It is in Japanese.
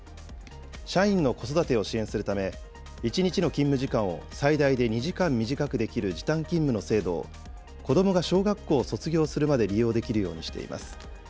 社員の子育てを支援するため、１日の勤務時間を最大で２時間短くできる時短勤務の制度を子どもが小学校を卒業するまで利用できるようにしています。